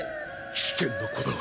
危険な子だ。